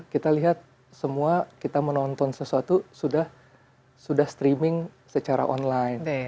kita lihat semua kita menonton sesuatu sudah streaming secara online